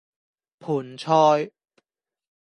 盆菜